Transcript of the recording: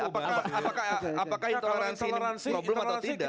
apakah intoleransi ini problem atau tidak